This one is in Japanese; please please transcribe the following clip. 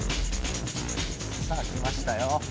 さあきましたよ。